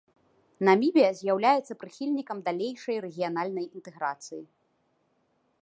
Намібія з'яўляецца прыхільнікам далейшай рэгіянальнай інтэграцыі.